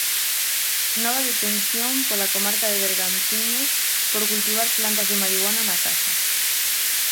Nova detención pola comarca de Bergantiños por cultivar plantas de marihuana na casa.